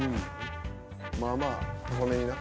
まあまあ細めにな。